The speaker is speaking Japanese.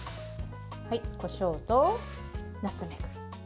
こしょうとナツメグ。